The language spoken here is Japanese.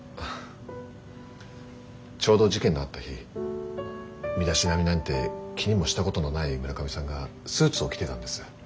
ちょうど事件のあった日身だしなみなんて気にもしたことのない村上さんがスーツを着てたんです。